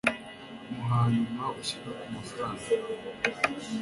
mu hanyuma ushyirwa ku mafaranga